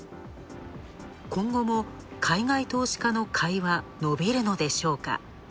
今後も海外投資家の買いはのびるのでしょうか。